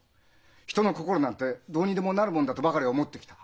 人の心なんてどうにでもなるもんだとばかり思ってきた。